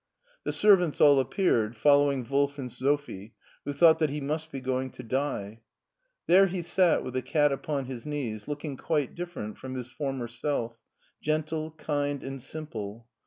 The servants all appeared, following Wolf and Sophie, who thought that he must be going to die. There he sat with the cat upon his knees, looking quite different from his former self — ^gentle, kind, and simple.